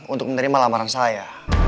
untuk menerima lamaran saya